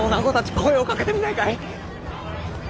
声をかけてみないかい？